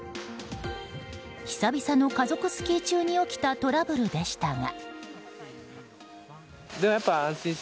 久々の家族スキー中に起きたトラブルでしたが。